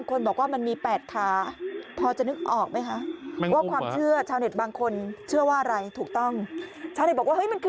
คลิปนี้เกิดขึ้นสักประมาณ๔ทุ่ม๔๓นาทีนะคะ